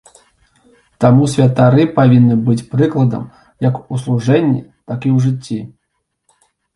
Таму святары павінны быць прыкладам як у служэнні, так і ў жыцці.